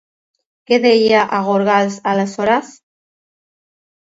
Què deia a Gorgals aleshores?